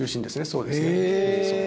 そうですね。